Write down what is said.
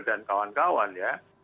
dan kawan kawan ya